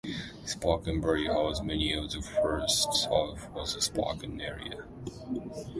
Spokane Valley holds many of the "firsts" for the Spokane area.